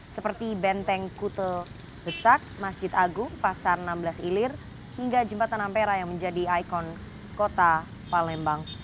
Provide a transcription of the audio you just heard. seperti benteng kute besak masjid agung pasar enam belas ilir hingga jembatan ampera yang menjadi ikon kota palembang